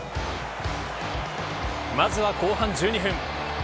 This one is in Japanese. まずは後半１２分。